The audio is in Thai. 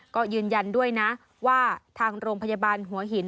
ก็ยืนยันด้วยนะว่าทางโรงพยาบาลหัวหิน